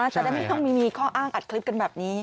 จะได้ไม่ต้องมีข้ออ้างอัดคลิปกันแบบนี้